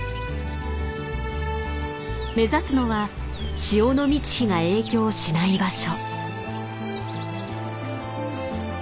目指すのは潮の満ち干が影響しない場所。